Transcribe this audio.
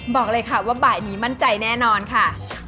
บอกเลยค่ะว่าบ่ายนี้มั่นใจแน่นอนค่ะ